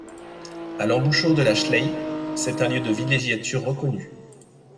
À l'embouchure de la Schlei, c'est un lieu de villégiature reconnu.